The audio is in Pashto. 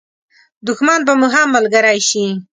دښمن به مو هم ملګری شي.